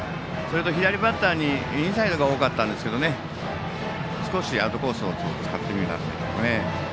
左バッターにインサイドが多かったんですけど少しアウトコースを使ってみた感じですかね。